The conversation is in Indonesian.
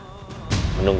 mereka akan terbang